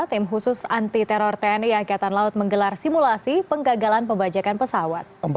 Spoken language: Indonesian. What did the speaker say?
tim khusus anti teror tni angkatan laut menggelar simulasi penggagalan pembajakan pesawat